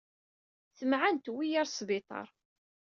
Temɛen, tewwi-yi ɣer sbiṭar.